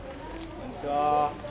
こんにちは。